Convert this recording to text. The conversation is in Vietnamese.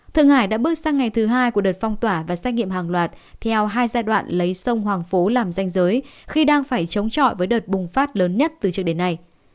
thượng hải đã bước sang ngày thứ hai của đợt phong tỏa và xét nghiệm hàng loạt theo hai giai đoạn lấy sông hoàng phố làm danh giới khi đang phải chống chọi với đợt bùng phát lớn nhất từ trước đến nay